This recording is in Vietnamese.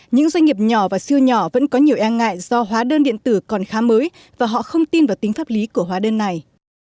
những doanh nghiệp nhỏ và siêu nhỏ vẫn có nhiều e ngại do hóa đơn điện tử còn khá mới và họ không tin vào tính pháp lý của hóa đơn này